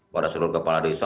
pada seluruh kepala desa